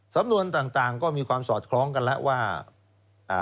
สำนวนต่างต่างก็มีความสอดคล้องกันแล้วว่าอ่า